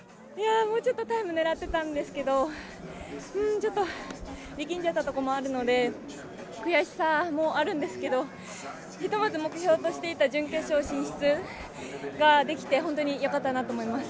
もうちょっとタイム狙ってたんですけど、力んじゃったところもあるので悔しさもあるんですけど、ひとまず目標としていた準決勝進出ができて本当によかったなと思います。